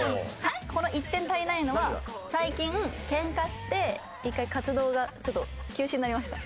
この１点足りないのは最近ケンカして１回活動が休止になりました。